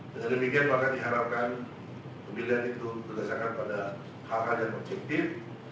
dan demikian maka diharapkan pemilihan itu berdasarkan pada hak hak yang objektif